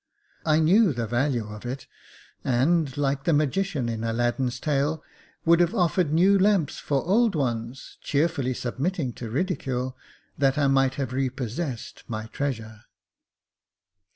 I knew the value of it, and, like the magician in Aladdin's tale, would have offered new lamps for old ones, cheerfully submitting to ridicule, that I might have repossessed my treasure.